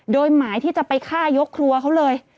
โดยหมายที่จะไปฆ่ายกครัวเขาเลย